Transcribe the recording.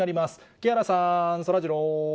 木原さん、そらジロー。